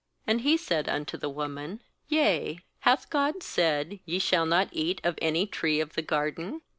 And he said unto the woman: 'Yea, hath God said: Ye shall hot eat of any tree of the garden?'